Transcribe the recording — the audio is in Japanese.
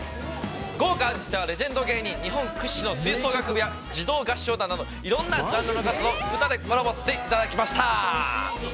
豪華アーティストやレジェンド芸人、日本屈指の吹奏楽部や児童合唱団など、いろんなジャンルの方と歌でコラボをさせていただきました！